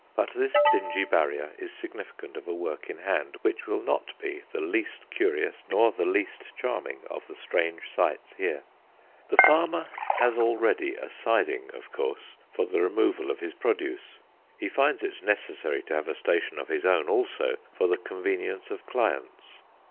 But this dingy barrier is significant of a work in hand which will not be the least curious nor the least charming of the strange sights here. The farmer has already a "siding" of course, for the removal of his produce; he finds it necessary to have a station of his own also for the convenience of clients.